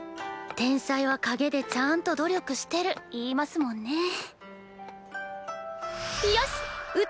天才はかげでちゃんと努力してる言いますもんね。